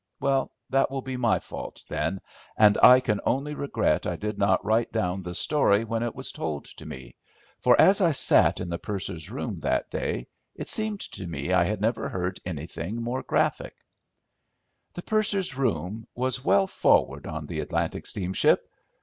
Well, that will be my fault, then, and I can only regret I did not write down the story when it was told to me, for as I sat in the purser's room that day it seemed to me I had never heard anything more graphic. The purser's room was well forward on the Atlantic steamship.